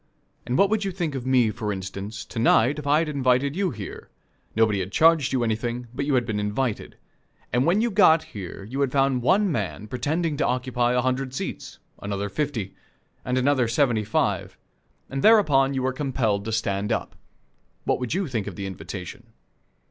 And what would you think of me, for instance, to night, if I had invited you here nobody had charged you anything, but you had been invited and when you got here you had found one man pretending to occupy a hundred seats, another fifty, and another seventy five, and thereupon you were compelled to stand up what would you think of the invitation?